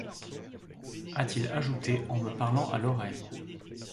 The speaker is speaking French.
a-t-il ajouté en me parlant à l’oreille.